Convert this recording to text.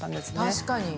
確かに。